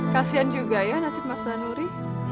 kasian juga ya nasib mas danuri